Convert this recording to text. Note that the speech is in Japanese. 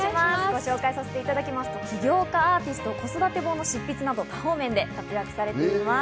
ご紹介させていただきますと、起業家アーティスト、子育て本の執筆など、多方面で活躍されています。